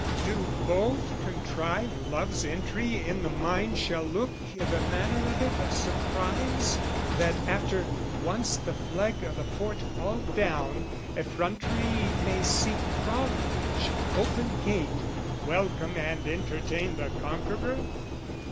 Do both contrive love's entry in the mind Shall look, i' the manner of it, a surprise, That after, once the flag o' the fort hauled down, Effrontery may sink drawbridge, open gate, Welcome and entertain the conqueror?